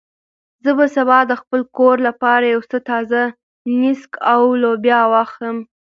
زه به سبا د خپل کور لپاره یو څه تازه نېسک او لوبیا واخلم.